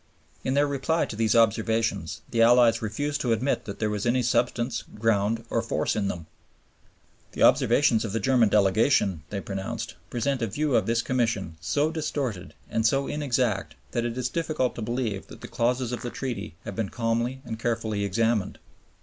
In their reply to these observations the Allies refused to admit that there was any substance, ground, or force in them. "The observations of the German Delegation," they pronounced, "present a view of this Commission so distorted and so inexact that it is difficult to believe that the clauses of the Treaty have been calmly or carefully examined.